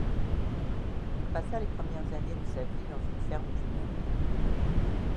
Il passa les premières années de sa vie dans une ferme du Maine.